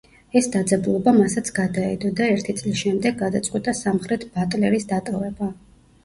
ეს დაძაბულობა მასაც გადაედო და ერთი წლის შემდეგ გადაწყვიტა სამხრეთ ბატლერის დატოვება.